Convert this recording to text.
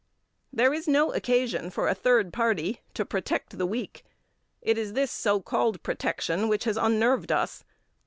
There is no occasion for a third party to protect the weak. It is this so called protection which has unnerved us.